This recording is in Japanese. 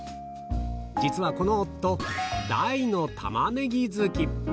実はこの夫、大のタマネギ好き。